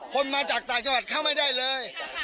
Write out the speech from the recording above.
คนมาจากต่างจังหวัดเข้าไม่ได้เลย